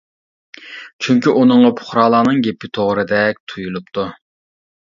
چۈنكى ئۇنىڭغا پۇقرالارنىڭ گېپى توغرىدەك تۇيۇلۇپتۇ.